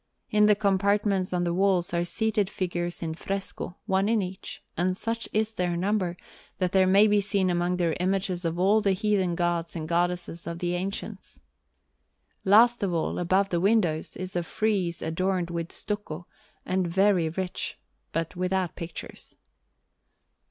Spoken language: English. In the compartments on the walls are seated figures in fresco, one in each; and such is their number, that there may be seen among them images of all the Heathen Gods and Goddesses of the ancients. Last of all, above the windows, is a frieze all adorned with stucco, and very rich, but without pictures.